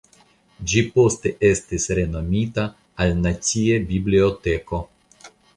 Ĝi poste estis renomita la Nacia Biblioteko.